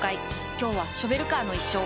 今日はショベルカーの一生。